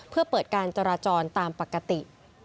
เพื่อเปิดการจราจรตามปกติ